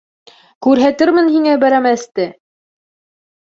— Күрһәтермен һиңә бәрәмәсте!